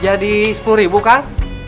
jadi sepuluh ribu kak